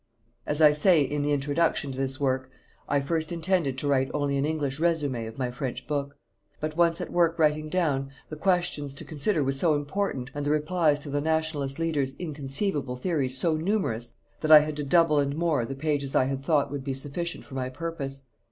As I say, in the Introduction to this work, I first intended to write only an English resumé of my French book. But once at work writing down, the questions to consider were so important, and the replies to the Nationalist leader's inconceivable theories so numerous, that I had to double and more the pages I had thought would be sufficient for my purpose.